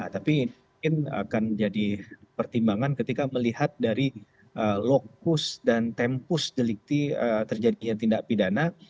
tapi mungkin akan jadi pertimbangan ketika melihat dari lokus dan tempus delikti terjadinya tindak pidana